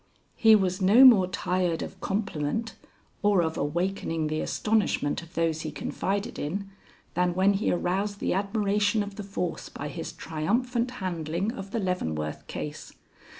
He was no more tired of compliment or of awakening the astonishment of those he confided in, than when he aroused the admiration of the force by his triumphant handling of the Leavenworth Case.